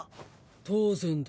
当然だ。